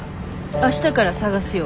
明日から探すよ。